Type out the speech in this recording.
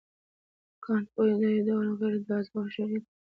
کانت وویل دا یو ډول غیر جذابه هوښیاري ده.